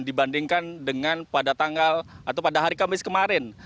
dibandingkan dengan pada tanggal atau pada hari kamis kemarin